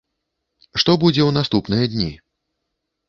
Што будзе ў наступныя дні?